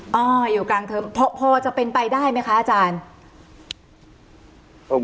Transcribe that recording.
อ่าอยู่กลางเทอมพอจะเป็นไปได้ไหมคะอาจารย์